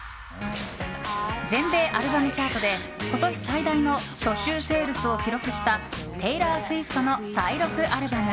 全米アルバムチャートで今年最大の初週セールスを記録したテイラー・スウィフトの再録アルバム。